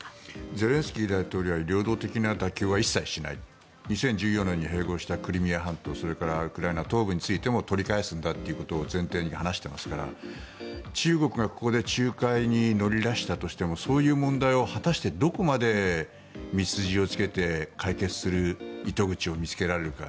ゼレンスキー大統領は領土的な妥協は一切しない２０１４年に併合したクリミア半島それからウクライナ東部についても取り返すんだということを前提に話していますから中国がここで仲介に乗り出したとしてもそういう問題を果たしてどこまで道筋をつけて解決する糸口を見つけられるか。